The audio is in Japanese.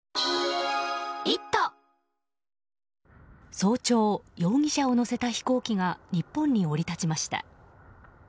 早朝、容疑者を乗せた飛行機が日本に降り立ちました。